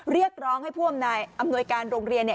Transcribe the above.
เรียกร้องให้อำนวยการโรงเรียน